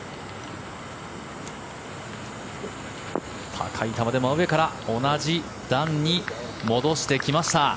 高い球で真上から同じ段に戻してきました。